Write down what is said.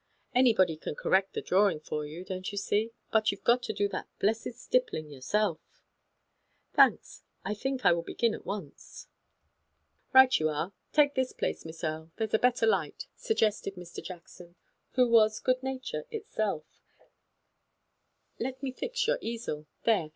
Anybody can cor rect the drawing for you, don't you see, but you've got to do that blessed stippling yerself ."" Thanks. I think I will begin at once," said Mary. THE CENTRAL LONDON SCHOOL OF ART. 89 "Right you are. Take this place, Miss Erie, there's a better light," suggested Mr. Jackson, who was good nature itself. " Let me fix your easel. There.